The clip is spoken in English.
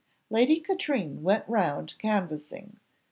Lady Katrine went round canvassing.